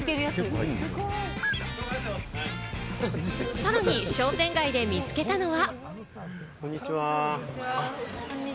さらに商店街で見つけたのは。